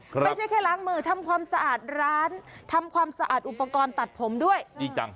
ไม่ใช่แค่ล้างมือทำความสะอาดร้านทำความสะอาดอุปกรณ์ตัดผมด้วยดีจัง